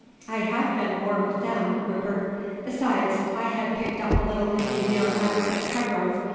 "I have been more with them, Rupert; besides, I had picked up a little in the year I was at Cairo.